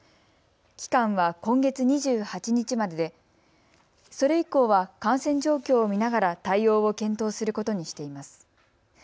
期間は今月２８日まででそれ以降は感染状況を見ながら対応を検討することにしています。